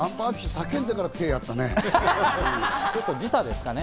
叫んでから手をやったね。